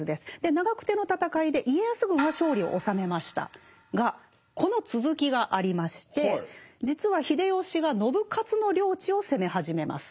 長久手の戦いで家康軍は勝利を収めましたがこの続きがありまして実は秀吉が信雄の領地を攻め始めます。